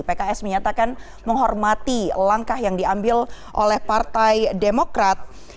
pks menyatakan menghormati langkah yang diambil oleh partai demokrat